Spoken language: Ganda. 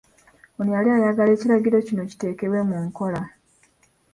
Ono yali ayagala ekiragiro kino kiteekebwe mu nkola.